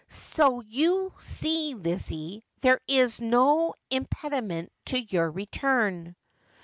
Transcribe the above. So you see, Lizzie, there is no impediment to your return.'